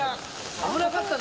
危なかったね。